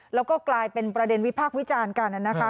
แล้วก็กลายเป็นประเด็นวิพากษ์วิจารณ์กันนะคะ